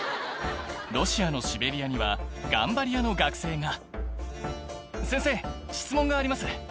ロシアのシベリアには頑張り屋の学生が「先生質問があります」